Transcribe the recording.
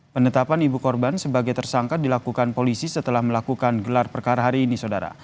penetapan ibu korban sebagai tersangka dilakukan polisi setelah melakukan gelar perkara hari ini saudara